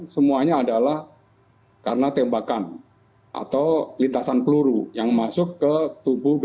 semuanya adalah karena tembakan atau lintasan peluru yang masuk ke tubuh